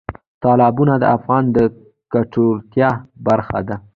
تالابونه د افغانانو د ګټورتیا برخه ده.